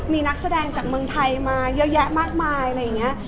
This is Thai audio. มีนักแสดงจากเมืองไทยมาเยอะแยะมากมายอะไรอย่างนี้